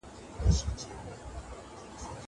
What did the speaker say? کېدای سي درسونه سخت وي!